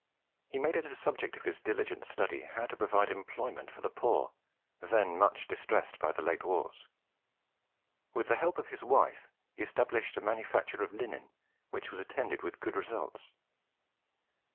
He made it a subject of his diligent study how to provide employment for the poor, then much distressed by the late wars. With the help of his wife, he established a manufacture of linen, which was attended with good results.